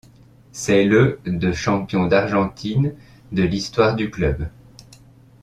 C'est le de champion d'Argentine de l'histoire du club.